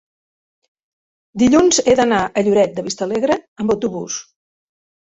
Dilluns he d'anar a Lloret de Vistalegre amb autobús.